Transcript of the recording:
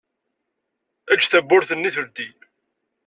Eǧǧ tawwurt-nni teldi.